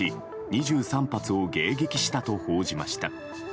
２３発を迎撃したと報じました。